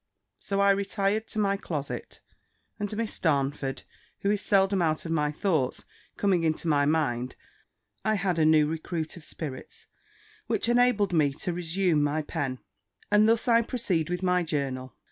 So I retired to my closet; and Miss Damford, who is seldom out of my thoughts, coming into my mind, I had a new recruit of spirits, which enabled me to resume my pen, and thus I proceed with my journal.